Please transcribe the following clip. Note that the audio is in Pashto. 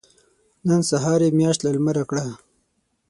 نن سهار يې مياشت له لمره کړه.